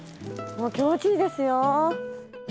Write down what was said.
気持ちいいですよ。